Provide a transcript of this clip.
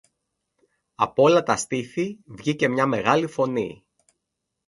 Απ' όλα τα στήθη βγήκε μια μεγάλη φωνή